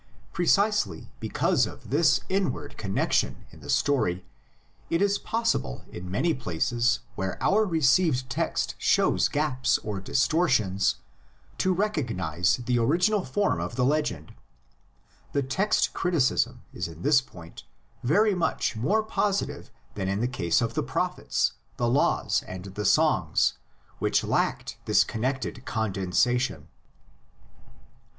Precisely because of this inward connexion in the story it is possible in many places where our received text shows gaps or distortions to recognise the original form of the legend: the text criticism is in this point very much more positive than in the 72 THE LEGENDS OF GENESIS. case of the prophets, the laws and the songs, which lacked this connected condensation.